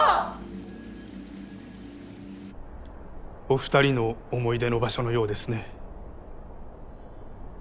・お２人の思い出の場所のようですね。